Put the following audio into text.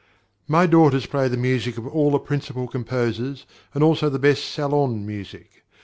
My daughters play the music of all the principal composers, and also the best salon music.